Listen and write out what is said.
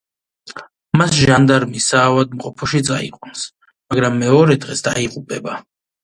მას ჟანდარმი სავადმყოფოში წაიყვანს, მაგრამ მეორე დღეს დაიღუპება.